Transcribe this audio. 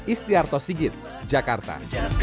istiarto sigit jakarta